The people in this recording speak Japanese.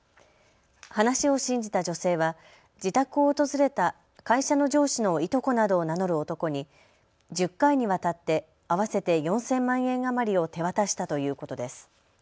話を信じた女性は自宅を訪れた会社の上司のいとこなどを名乗る男に１０回にわたって合わせて４０００万円余りを手渡したということです。